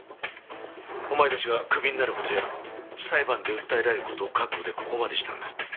お前たちがクビになる事や裁判で訴えられる事を覚悟でここまでしたんだ。